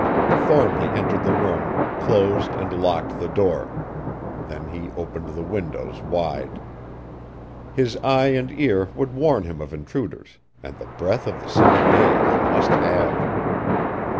Thornly entered the room, closed and locked the door. Then he opened the windows wide. His eye and ear would warn him of intruders, and the breath of the summer day he must have!